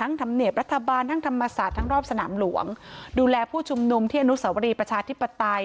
ธรรมเนียบรัฐบาลทั้งธรรมศาสตร์ทั้งรอบสนามหลวงดูแลผู้ชุมนุมที่อนุสวรีประชาธิปไตย